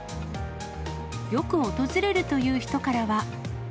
よく訪れるという人からは。